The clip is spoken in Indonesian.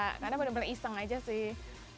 karena bener bener iseng aja sih